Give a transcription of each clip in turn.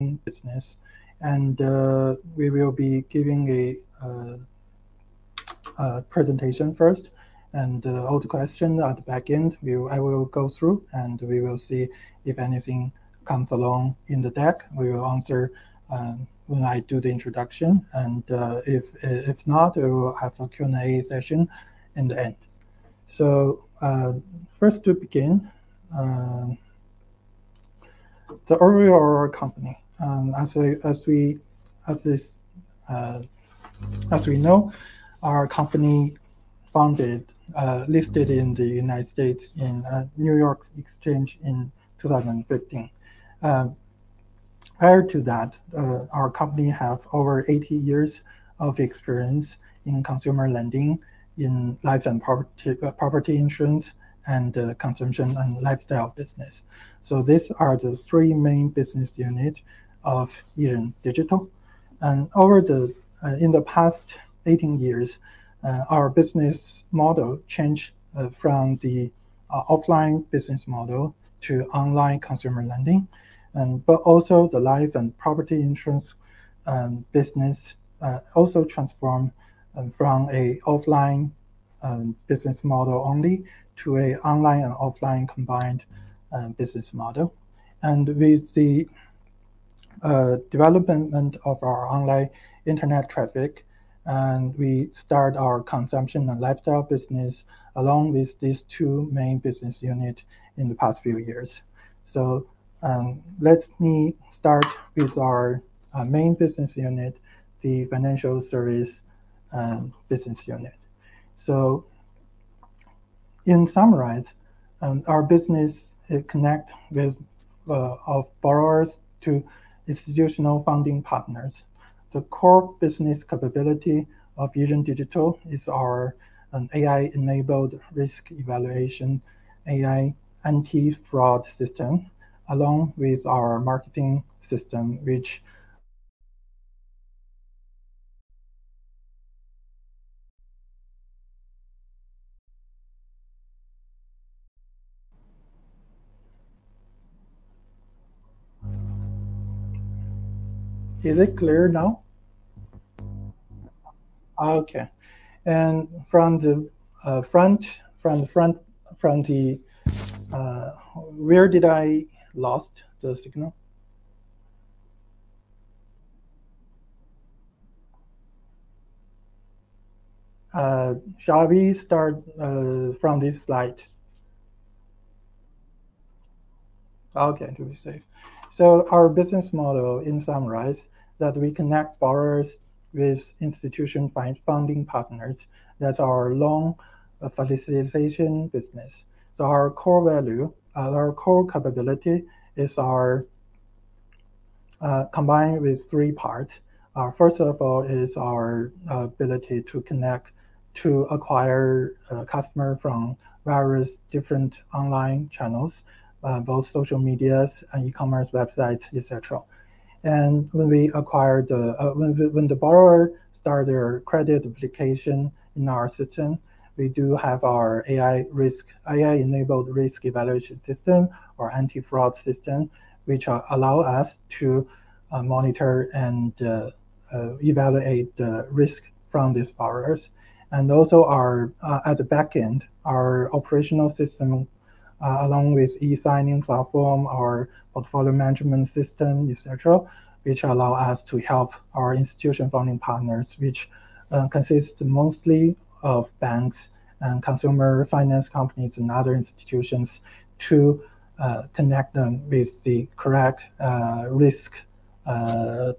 We will be giving a presentation first, and all the questions at the back end. I will go through, and we will see if anything comes along in the deck. We will answer when I do the introduction, and if not, we will have a Q&A session in the end. First to begin, earlier our company, as we know, our company founded, listed in the United States in New York Stock Exchange in 2015. Prior to that, our company have over 18 years of experience in consumer lending, in life and property insurance, and consumption and lifestyle business. These are the three main business units of Yiren Digital. In the past 18 years, our business model changed from the offline business model to online consumer lending, but also the life and property insurance business also transformed from an offline business model only to an online and offline combined business model. With the development of our online internet traffic, and we start our consumption and lifestyle business, along with these two main business units in the past few years. Let me start with our main business unit, the financial services business unit. In summary, our business, it connects borrowers to institutional funding partners. The core business capability of Yiren Digital is our AI-enabled risk evaluation, AI anti-fraud system, along with our marketing system, which... Is it clear now? Okay. And from the front. Where did I lose the signal? Shall we start from this slide? Okay, to be safe. So our business model, in summary, is that we connect borrowers with institutional funding partners. That's our loan facilitation business. So our core value, our core capability is our combined with three parts. First of all, is our ability to connect, to acquire customer from various different online channels, both social media and e-commerce websites, et cetera. And when the borrower start their credit application in our system, we do have our AI-enabled risk evaluation system or anti-fraud system, which allow us to monitor and evaluate the risk from these borrowers. And also, at the back end, our operational system, along with e-signing platform, our portfolio management system, et cetera, which allow us to help our institution funding partners, which consist mostly of banks and consumer finance companies and other institutions, to connect them with the correct risk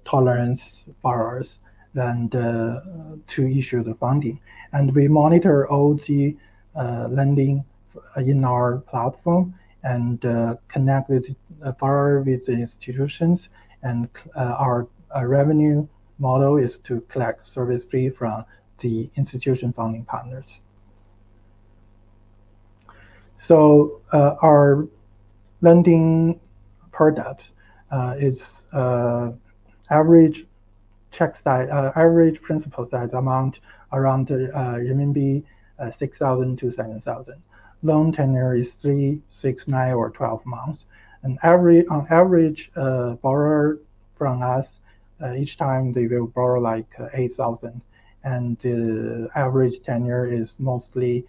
tolerance borrowers, then to issue the funding, and we monitor all the lending in our platform and connect with the borrower, with the institutions, and our revenue model is to collect service fee from the institution funding partners, so our lending product is average check size average principal size amount around 6,000-7,000 RMB. Loan tenure is three, six, nine, or 12 months. On average, every borrower from us each time they will borrow like 8,000, and the average tenure is mostly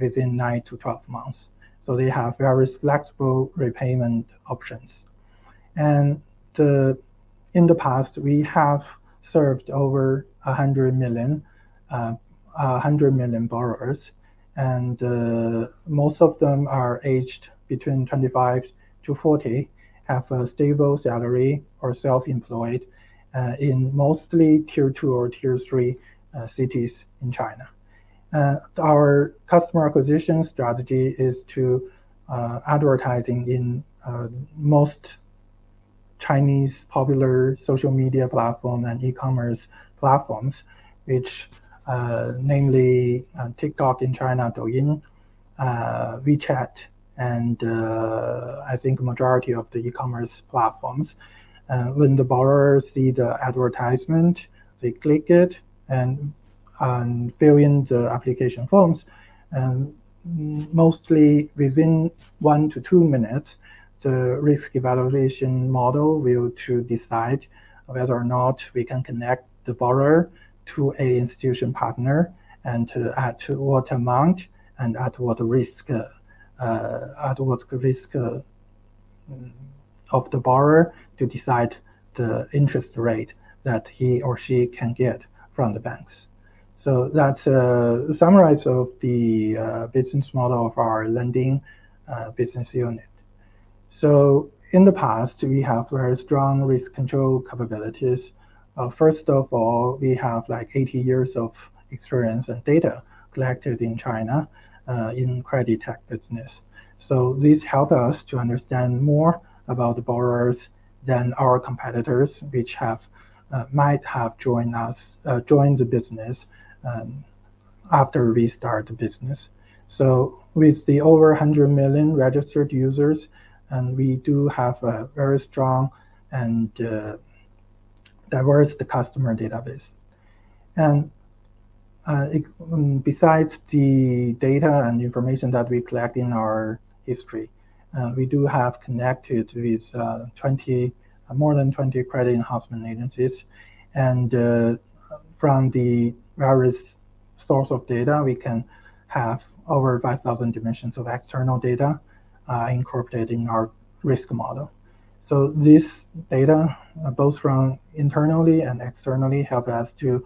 within nine to 12 months. They have various flexible repayment options. In the past, we have served over 100 million borrowers, and most of them are aged between 25 to 40, have a stable salary or self-employed in mostly Tier 2 or Tier 3 cities in China. Our customer acquisition strategy is to advertising in most Chinese popular social media platform and e-commerce platforms, which namely TikTok in China, Douyin, WeChat and I think majority of the e-commerce platforms. When the borrowers see the advertisement, they click it and fill in the application forms, and mostly within one to two minutes, the risk evaluation model will to decide whether or not we can connect the borrower to an institutional partner, and to at what amount, and at what risk of the borrower to decide the interest rate that he or she can get from the banks. That's a summary of the business model of our lending business unit. In the past, we have very strong risk control capabilities. First of all, we have, like, 18 years of experience and data collected in China in credit-tech business. This help us to understand more about the borrowers than our competitors, which might have joined us, joined the business after we start the business. With over 100 million registered users, and we do have a very strong and diversified customer database. Besides the data and information that we collect in our history, we do have connected with more than 20 credit enhancement agencies. From the various source of data, we can have over 5,000 dimensions of external data incorporated in our risk model. This data, both from internally and externally, help us to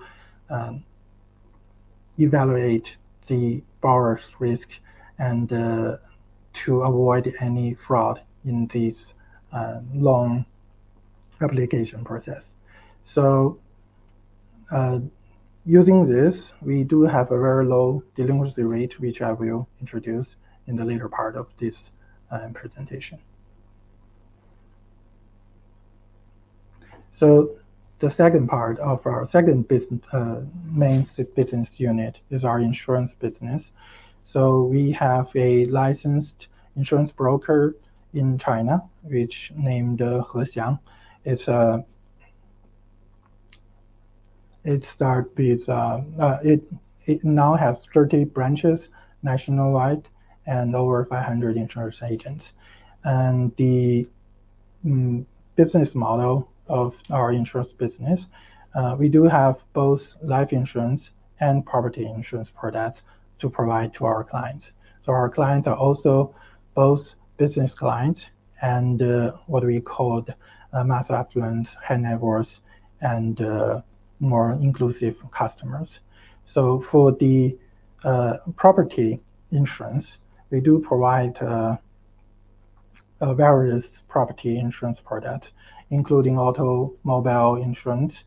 evaluate the borrower's risk and to avoid any fraud in this loan application process. Using this, we do have a very low delinquency rate, which I will introduce in the later part of this presentation. The second part of our second main business unit is our insurance business. We have a licensed insurance broker in China, which named Hexiang. It now has 30 branches nationwide and over 500 insurance agents. And the business model of our insurance business, we do have both life insurance and property insurance products to provide to our clients. Our clients are also both business clients and what we call mass affluent, high net worth, and more inclusive customers. So for the property insurance, we do provide various property insurance product, including automobile insurance,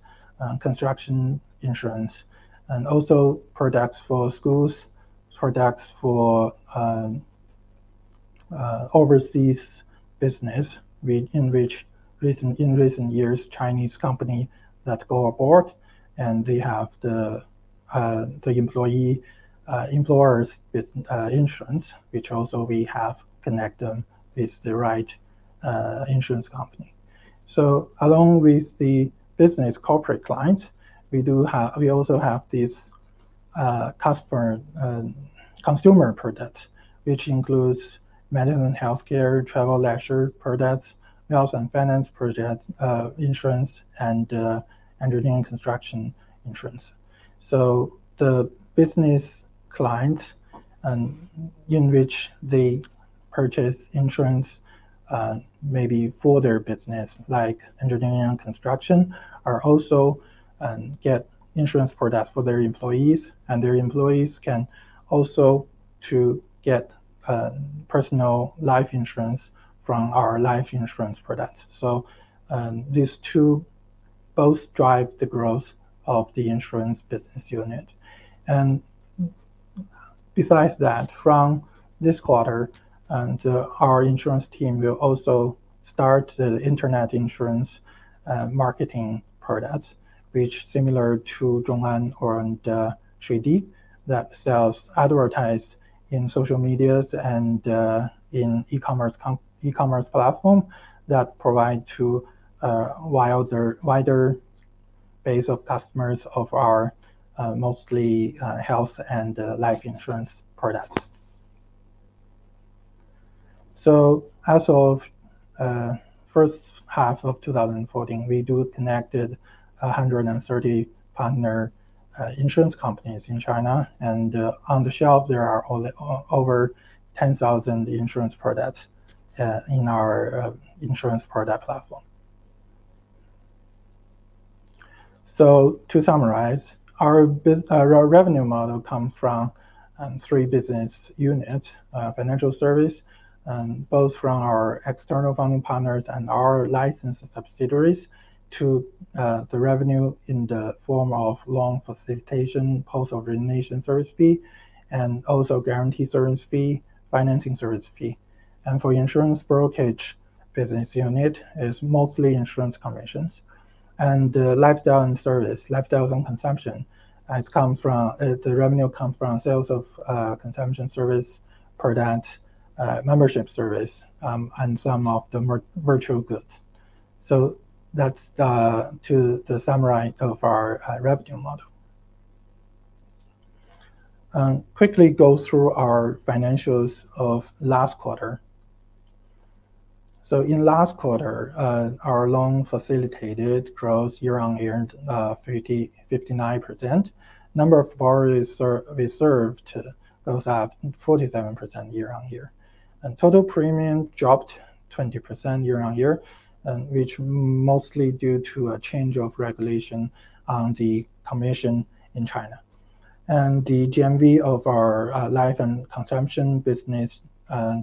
construction insurance, and also products for schools, products for overseas business, in which, in recent years, Chinese company that go abroad, and they have the employee employers with insurance, which also we have connect them with the right insurance company. Along with the business corporate clients, we also have these consumer products, which includes medicine and healthcare, travel, leisure products, wealth and finance products, insurance, and engineering and construction insurance. So the business clients, and in which they purchase insurance, maybe for their business, like engineering and construction, are also get insurance products for their employees, and their employees can also to get personal life insurance from our life insurance products, so these two both drive the growth of the insurance business unit, and besides that, from this quarter, our insurance team will also start the internet insurance marketing products, which similar to ZhongAn or JD, that sells advertise in social media and in e-commerce platform, that provide to a wider base of customers of our mostly health and life insurance products. So as of first half of 2024, we do connected a 130 partner insurance companies in China, and on the shelf, there are only over 10,000 insurance products in our insurance product platform. So to summarize, our our revenue model comes from three business units: financial service both from our external funding partners and our licensed subsidiaries, to the revenue in the form of loan facilitation, post-origination service fee, and also guarantee service fee, financing service fee. And for insurance brokerage, business unit is mostly insurance commissions. And the lifestyle and service, lifestyles and consumption has come from the revenue come from sales of consumption service products, membership service, and some of the virtual goods. So that's to the summary of our revenue model. Quickly go through our financials of last quarter. So in last quarter, our loan facilitated growth year-on-year 59%. Number of borrowers we served those are 47% year-on-year. And total premium dropped 20% year-on-year, which mostly due to a change of regulation on the commission in China. And the GMV of our life and consumption business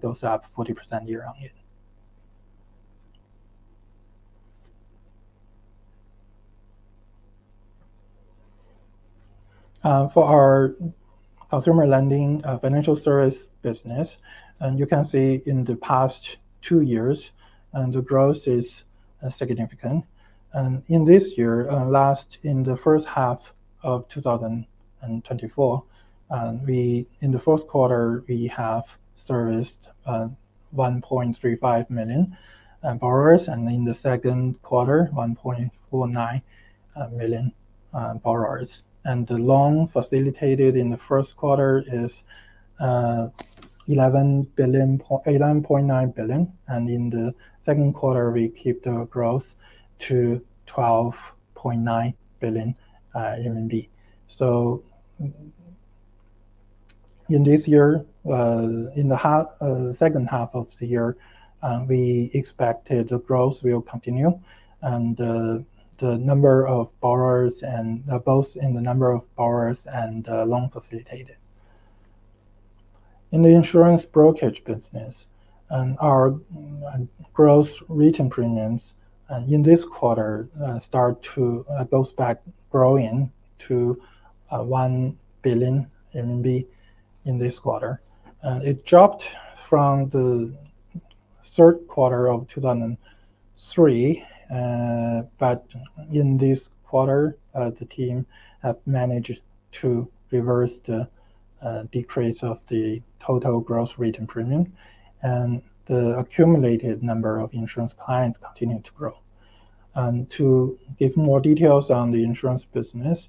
goes up 40% year-on-year. For our consumer lending financial service business, and you can see in the past two years, and the growth is significant. And in this year, in the first half of 2024, and in the fourth quarter, we have serviced 1.35 million borrowers, and in the second quarter, 1.49 million borrowers. The loan facilitated in the first quarter is 11.9 billion, and in the second quarter, we keep the growth to 12.9 billion. So in this year, in the first half, second half of the year, we expected the growth will continue and the number of borrowers and both in the number of borrowers and loan facilitated. In the insurance brokerage business, our gross written premiums in this quarter start to goes back growing to 1 billion RMB in this quarter. It dropped from the third quarter of 2023, but in this quarter, the team have managed to reverse the decrease of the total gross written premium, and the accumulated number of insurance clients continued to grow. To give more details on the insurance business,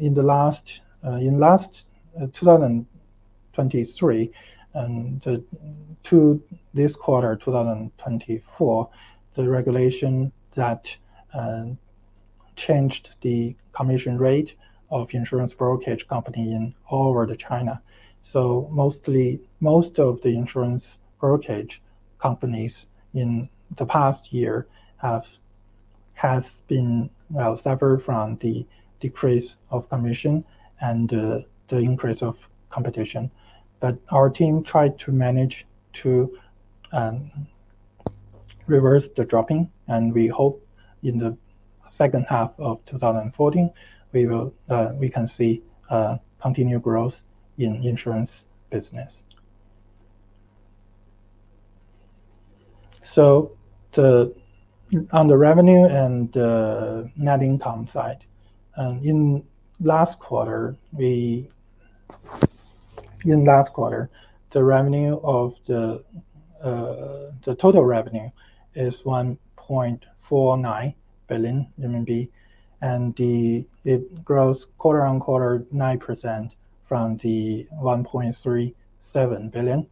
in the last 2023 to this quarter, 2024, the regulation that changed the commission rate of insurance brokerage company all over China. So most of the insurance brokerage companies in the past year have suffered from the decrease of commission and the increase of competition. But our team tried to manage to reverse the dropping, and we hope in the second half of 2024, we can see continued growth in insurance business. So, on the revenue and net income side, in last quarter, the total revenue is 1.49 billion RMB, and it grows quarter-on-quarter 9% from the 1.37 billion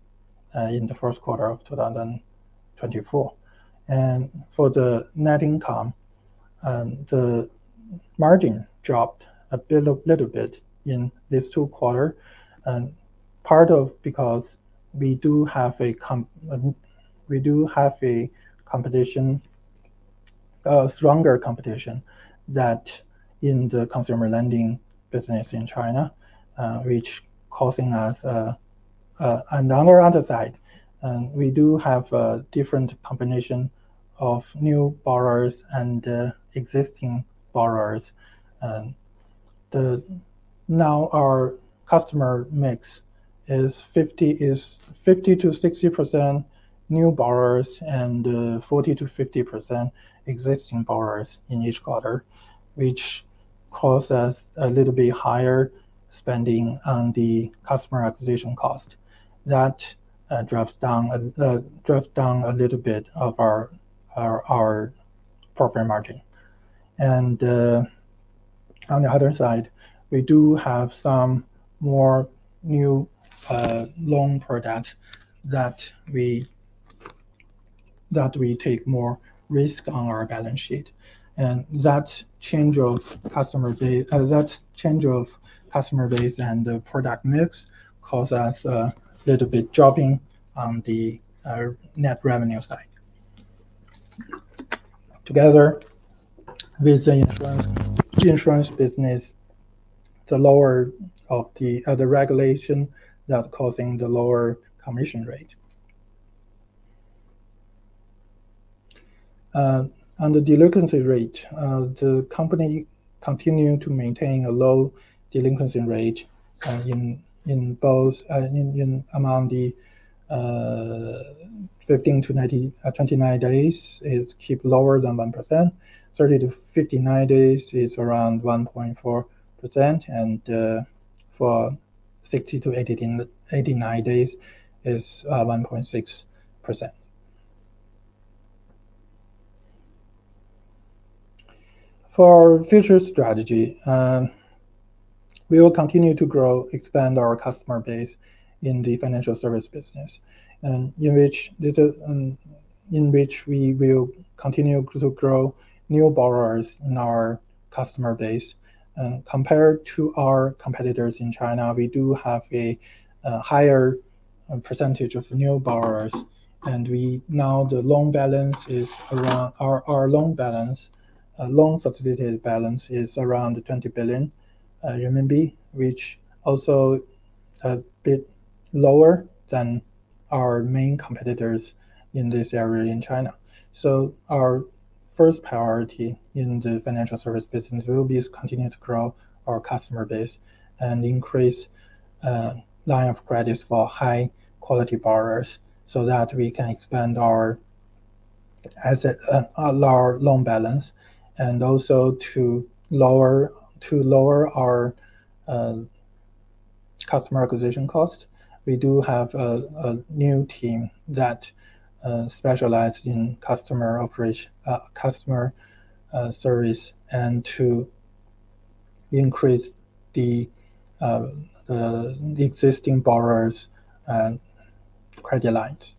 in the first quarter of 2024. And for the net income, the margin dropped a bit, a little bit in these two quarter, and part of because we do have a competition, a stronger competition, that in the consumer lending business in China, which causing us, and on the other side, we do have a different combination of new borrowers and existing borrowers. And the... Now, our customer mix is 50%-60% new borrowers and 40%-50% existing borrowers in each quarter, which costs us a little bit higher spending on the customer acquisition cost. That drops down a little bit of our profit margin. And on the other side, we do have some more new loan products that we take more risk on our balance sheet. And that change of customer base and the product mix causes us a little bit dropping on the net revenue side. Together with the insurance business, the lower of the regulation that's causing the lower commission rate. On the delinquency rate, the company continuing to maintain a low delinquency rate, in both, in among the 15-29 days is kept lower than 1%, 30-59 days is around 1.4%, and for 60-89 days is 1.6%. For future strategy, we will continue to grow, expand our customer base in the financial service business, and in which this, in which we will continue to grow new borrowers in our customer base. Compared to our competitors in China, we do have a higher percentage of new borrowers, and we. Now, the loan balance is around, loan facilitated balance is around 20 billion RMB, which also a bit lower than our main competitors in this area in China. So our first priority in the financial service business will be to continue to grow our customer base and increase line of credits for high-quality borrowers, so that we can expand our asset, our loan balance, and also to lower our customer acquisition cost. We do have a new team that specialized in customer operation, customer service, and to increase the existing borrowers' and credit lines.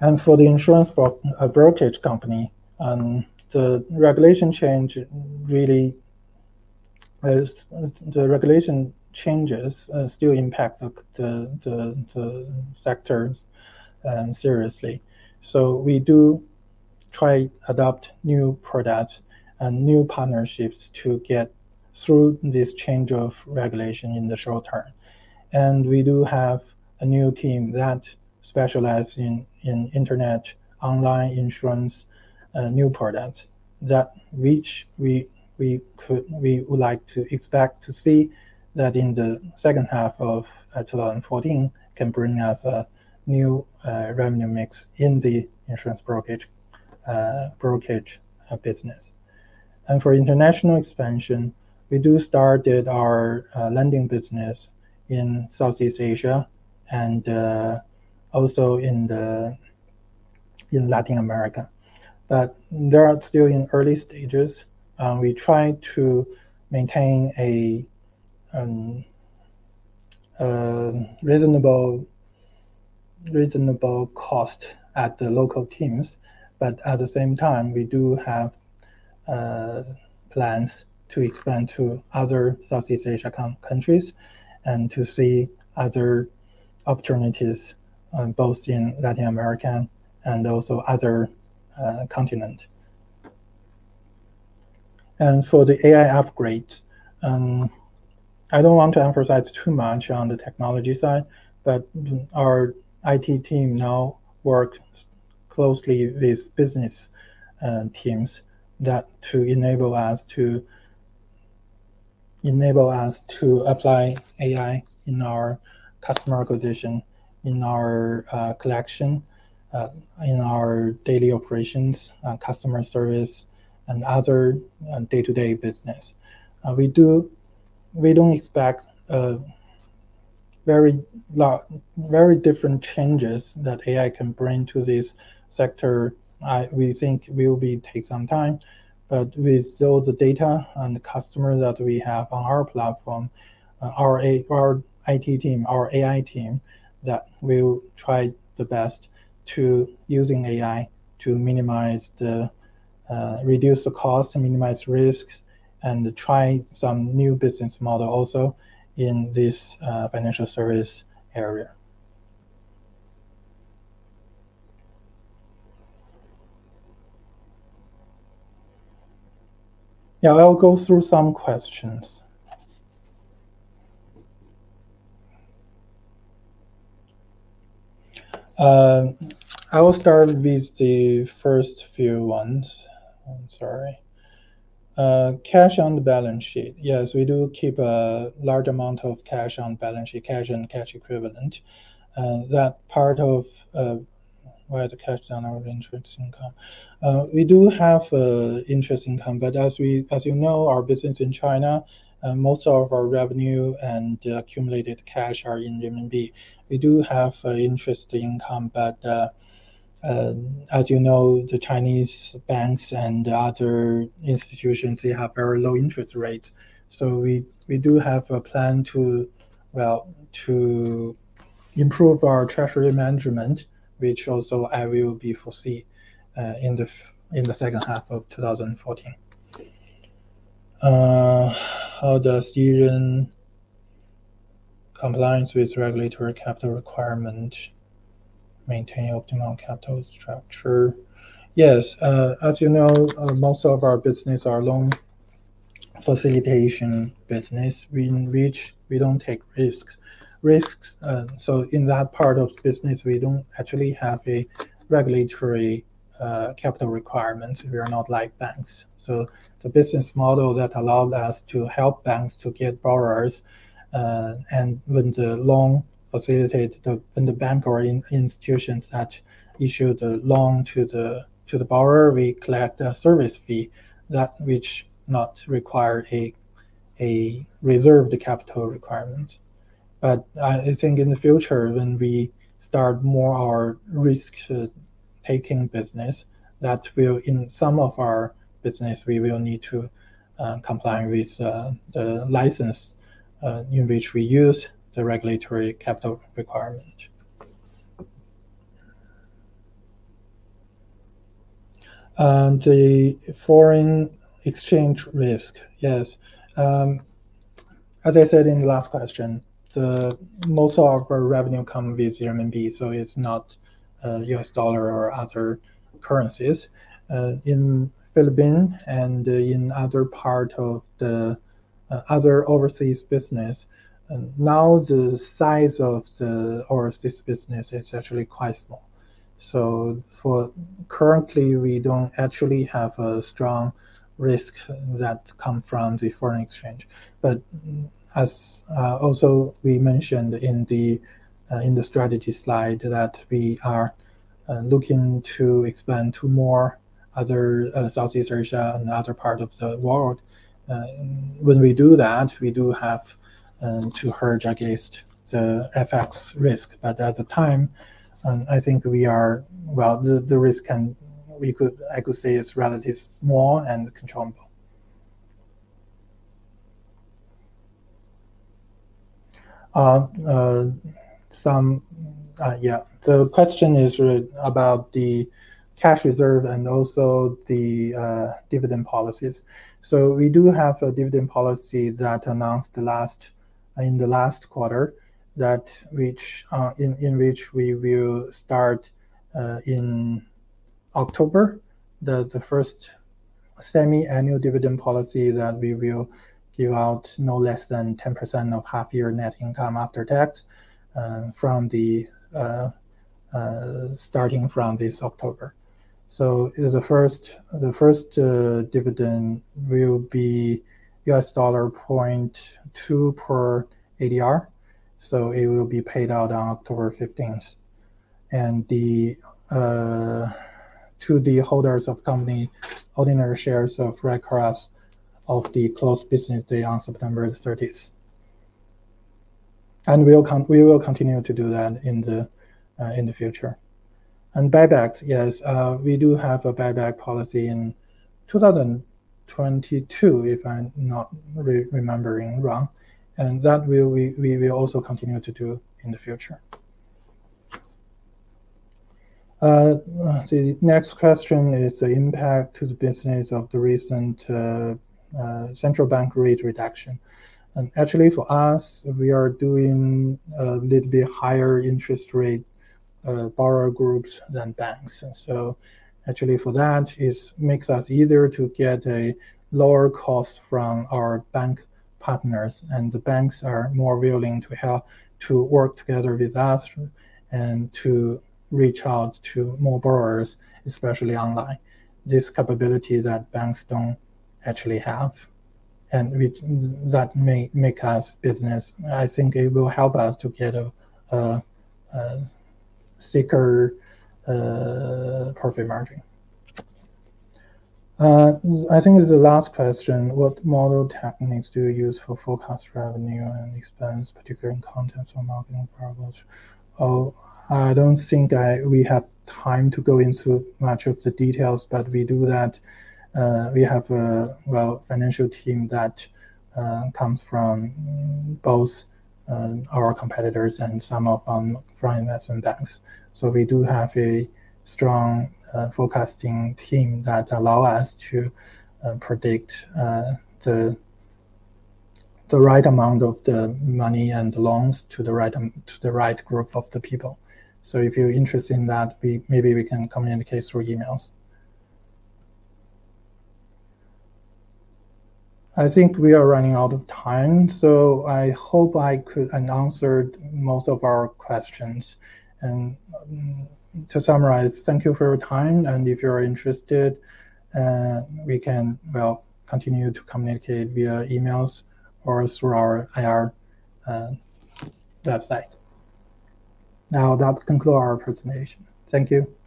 And for the insurance brokerage company, the regulation changes still impact the sectors seriously. So we do try to adopt new products and new partnerships to get through this change of regulation in the short term. And we do have a new team that specialize in internet, online insurance new products, that we would like to expect to see that in the second half of 2024 can bring us a new revenue mix in the insurance brokerage business. For international expansion, we do started our lending business in Southeast Asia and also in Latin America. But they are still in early stages, and we try to maintain a reasonable cost at the local teams, but at the same time, we do have plans to expand to other Southeast Asia countries, and to see other opportunities both in Latin America and also other continent. For the AI upgrade, I don't want to emphasize too much on the technology side, but our IT team now works closely with business teams to enable us to apply AI in our customer acquisition, in our collection, in our daily operations, customer service, and other day-to-day business. We don't expect very lot, very different changes that AI can bring to this sector. We think will be take some time, but with all the data and the customer that we have on our platform, our IT team, our AI team, that will try the best to using AI to minimize the, reduce the cost and minimize risks, and try some new business model also in this financial service area. Now, I'll go through some questions. I will start with the first few ones. I'm sorry. Cash on the balance sheet. Yes, we do keep a large amount of cash on balance sheet, cash and cash equivalent. That part of where the cash on our interest income. We do have interest income, but as we, as you know, our business in China, most of our revenue and accumulated cash are in RMB. We do have interest income, but, as you know, the Chinese banks and the other institutions, they have very low interest rates. So we do have a plan to, well, to improve our treasury management, which also I will be overseeing in the second half of 2024. How does Yiren comply with regulatory capital requirement maintain optimal capital structure? Yes, as you know, most of our business are loan facilitation business, we, in which we don't take risks, so in that part of the business, we don't actually have regulatory capital requirements. We are not like banks. So the business model that allowed us to help banks to get borrowers, and when the loan facilitate the, and the bank or institutions that issue the loan to the borrower, we collect a service fee that which not require a reserved capital requirement. But, I think in the future, when we start more our risk-taking business, that will, in some of our business, we will need to comply with the license in which we use the regulatory capital requirement, and the foreign exchange risk. Yes. As I said in the last question, the most of our revenue come with the RMB, so it's not U.S. dollar or other currencies. In the Philippines and in other part of the other overseas business, now the size of the overseas business is actually quite small. So for currently, we don't actually have a strong risk that come from the foreign exchange. But as also we mentioned in the in the strategy slide, that we are looking to expand to more other Southeast Asia and other part of the world. When we do that, we do have to hedge against the FX risk, but at the time, I think we are. Well, the risk we could, I could say it's relatively small and controllable. Some yeah. The question is about the cash reserve and also the dividend policies. So we do have a dividend policy that we announced in the last quarter, in which we will start in October the first semi-annual dividend policy that we will give out no less than 10% of half year net income after tax, starting from this October. So the first dividend will be $0.2 per ADR, so it will be paid out on October 15th. And to the holders of company ordinary shares of record as of the close business day on September 30th. And we will continue to do that in the future. And buybacks, yes. We do have a buyback policy in 2022, if I'm not remembering wrong, and that we will also continue to do in the future. The next question is the impact to the business of the recent central bank rate reduction. And actually, for us, we are doing a little bit higher interest rate borrower groups than banks. And so actually for that, it makes us easier to get a lower cost from our bank partners, and the banks are more willing to help to work together with us and to reach out to more borrowers, especially online. This capability that banks don't actually have, and which that makes our business. I think it will help us to get a thicker profit margin. I think this is the last question: What model techniques do you use for forecast revenue and expense, particularly in context or modeling problems? I don't think we have time to go into much of the details, but we do that. We have a well financial team that comes from both our competitors and some from investment banks. So we do have a strong forecasting team that allow us to predict the right amount of the money and the loans to the right group of the people. So if you're interested in that, we maybe we can communicate through emails. I think we are running out of time, so I hope I could answered most of our questions. To summarize, thank you for your time, and if you're interested, we can continue to communicate via emails or through our IR website. Now, that conclude our presentation. Thank you.